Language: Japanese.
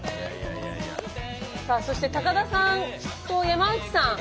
さあそして高田さんと山内さん。